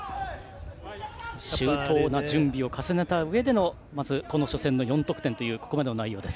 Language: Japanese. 周到な準備を重ねたうえでの初戦の４得点というここまでの内容です。